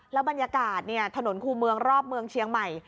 บรรยากาศถนนคู่เมืองรอบเมืองเชียงใหม่